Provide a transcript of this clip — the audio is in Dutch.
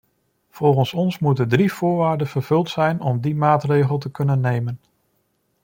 Volgens ons moeten drie voorwaarden vervuld zijn om die maatregel te kunnen nemen.